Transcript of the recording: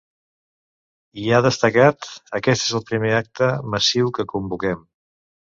I ha destacat: Aquest és el primer acte massiu que convoquem.